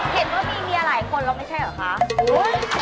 เห็นว่ามีเมียหลายคนแล้วไม่ใช่เหรอคะ